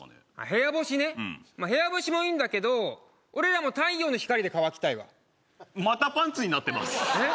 部屋干しねまあ部屋干しもいいんだけど俺らも太陽の光で乾きたいわまたパンツになってますえっ？